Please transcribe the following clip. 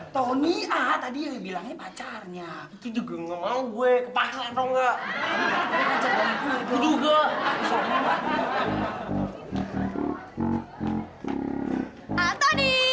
tony tadi bilang pacarnya juga enggak gue